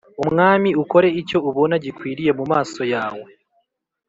umwami Ukore icyo ubona gikwiriye mu maso yawe